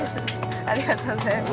ありがとうございます。